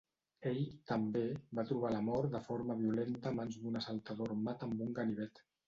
Ell, també, va trobar la mort de forma violenta a mans d'un assaltador armat amb un ganivet.